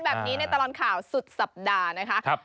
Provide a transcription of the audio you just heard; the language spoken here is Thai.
แบบนี้ในตลอดข่าวสุดสัปดาห์นะคะ